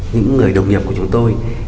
những người đồng nghiệp của chúng tôi